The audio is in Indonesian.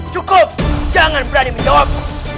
cukup jangan berani menjawab